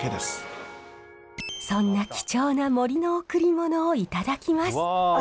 そんな貴重な森の贈り物をいただきます。